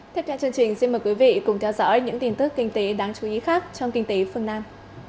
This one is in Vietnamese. thế cho chương trình xin mời quý vị cùng theo dõi những tin tức kinh tế đáng chú ý khác trong kinh tế phương nam